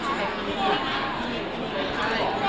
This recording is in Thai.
เดี๋ยวไปก่อน